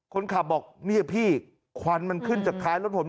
คนขับบอกเนี่ยพี่ควันมันขึ้นจากท้ายรถผม